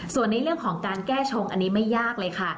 ส่วนในเรื่องของการแก้ชงอันนี้ไม่ยากเลยค่ะ